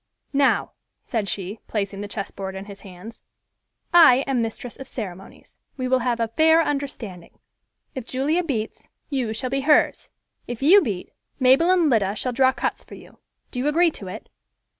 "Now," said she, placing the chessboard in his hands, "I am mistress of ceremonies. We will have a fair understanding. If Julia beats, you shall be hers; if you beat, Mabel and Lida shall draw cuts for you. Do you agree to it?"